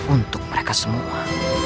untuk mereka semua